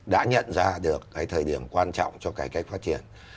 đã nhận ra được cái thời điểm quan trọng cho cải cách phát triển